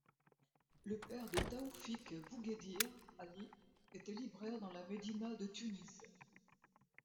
Le père de Taoufik Boughedir, Ali, était libraire dans la médina de Tunis.